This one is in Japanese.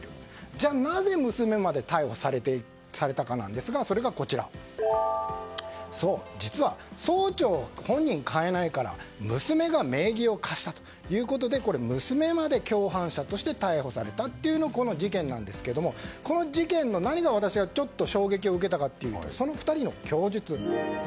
じゃあ、なぜ娘まで逮捕されたかなんですがそれが、実は総長本人が買えないから娘が名義を貸したということで娘まで共犯者として逮捕されたというのがこの事件なんですがこの事件で何が私ちょっと衝撃を受けたかというとその２人の供述。